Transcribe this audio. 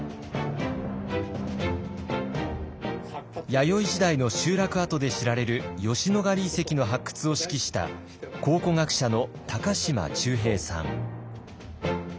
弥生時代の集落跡で知られる吉野ヶ里遺跡の発掘を指揮した考古学者の高島忠平さん。